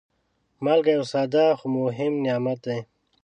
مالګه یو ساده، خو مهم نعمت دی.